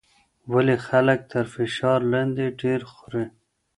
ولې خلک تر فشار لاندې ډېر خوري؟